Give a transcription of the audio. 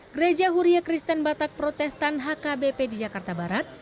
gereja huria kristen batak protestan hkbp di jakarta barat